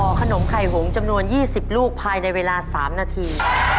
ขนมไข่หงจำนวน๒๐ลูกภายในเวลา๓นาที